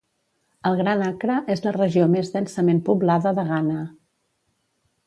El Gran Accra és la regió més densament poblada de Ghana.